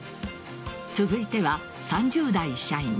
続いては３０代社員。